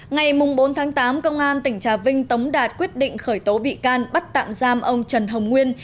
ngày bốn tháng tám công an tỉnh trà vinh tống đạt quyết định khởi tố bị can bắt tạm giam ông trần hồng nguyên